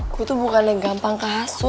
gue tuh bukan yang gampang kehasut